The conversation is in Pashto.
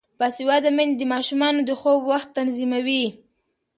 باسواده میندې د ماشومانو د خوب وخت تنظیموي.